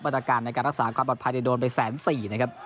ปรับตาการในการรักษาความปลอดภัยได้โดนไป๑๐๔๐๐๐บาทนะครับ